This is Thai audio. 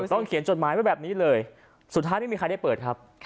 เขียนจดหมายไว้แบบนี้เลยสุดท้ายไม่มีใครได้เปิดครับ